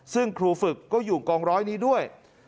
ซึ่งครูฝึกก็อยู่กองร้อยนี้ด้วย